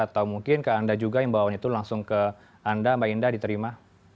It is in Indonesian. atau mungkin ke anda juga imbauan itu langsung ke anda mbak indah diterima